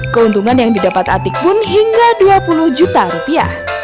keuntungan yang didapat atik pun hingga dua puluh juta rupiah